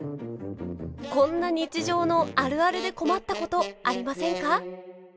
こんな日常のあるあるで困ったことありませんか？